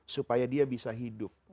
supaya dia bisa hidup